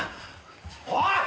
おい！